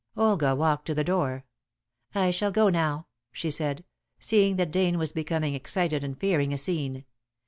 Olga walked to the door. "I shall go now," she said, seeing that Dane was becoming excited and fearing a scene.